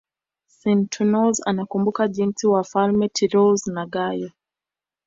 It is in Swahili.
Suetonius anakumbuka jinsi Wafalme Tiberius na Gayo